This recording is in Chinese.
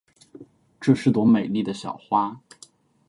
这是朵美丽的小花。